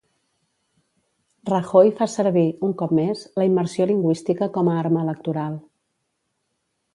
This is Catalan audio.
Rajoy fa servir, un cop més, la immersió lingüística com a arma electoral.